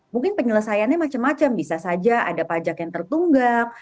mungkin penyelesaiannya macam macam bisa saja ada pajak yang tertunggak